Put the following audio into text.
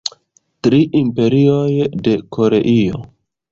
Tri imperioj de Koreio.